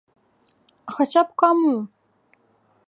А хаця б каму!